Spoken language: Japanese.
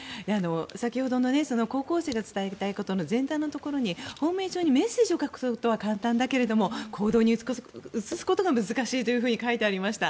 先ほどの高校生が伝えたいことの全体のところにメッセージを書くことは簡単だけれども行動に移すことが難しいと書いてありました。